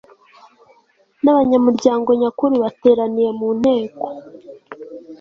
n abanyamuryango nyakuri bateraniye mu nteko